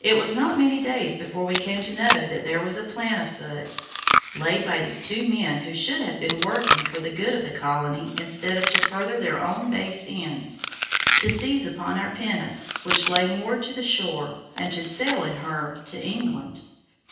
It was not many days before we came to know that there was a plan on foot, laid by these two men who should have been working for the good of the colony instead of to further their own base ends, to seize upon our pinnace, which lay moored to the shore, and to sail in her to England.